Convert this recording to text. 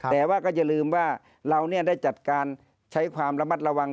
แต่ว่าก็อย่าลืมว่าเราได้จัดการใช้ความระมัดระวัง